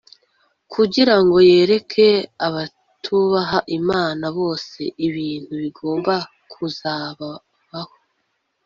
kugira ngo yereke abatubaha Imana bose ibintu bigomba kuzabaho